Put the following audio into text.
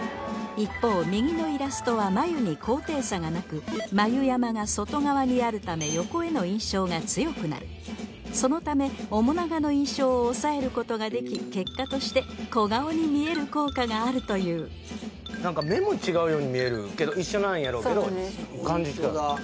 一方右のイラストは眉に高低差がなく眉山が外側にあるため横への印象が強くなるそのため面長の印象を抑えることができ結果として小顔に見える効果があるというけど一緒なんやろうけど感じちゃう